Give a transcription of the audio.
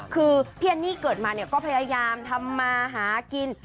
คือพี่แอนนี่เกิดมาเนี่ยก็พยายามทำมาหากิน